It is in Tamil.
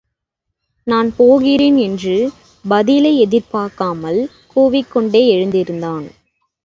நான் போகிறேன் என்று பதிலை எதிர்பார்க்காமல் கூவிக்கொண்டே எழுந்திருந்தான்.